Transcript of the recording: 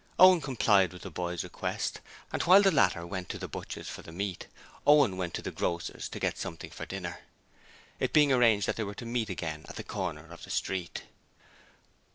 Owen complied with the boy's request, and while the latter went to the butcher's for the meat, Owen went into the grocer's to get something for dinner, it being arranged that they were to meet again at the corner of the street.